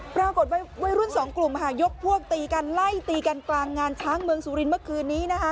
วัยรุ่นสองกลุ่มยกพวกตีกันไล่ตีกันกลางงานช้างเมืองสุรินทร์เมื่อคืนนี้นะคะ